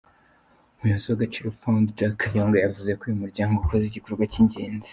Umuyobozi w’Agaciro Fund, Jack Kayonga, yavuze ko uyu muryango ukoze igikorwa cy’ingenzi.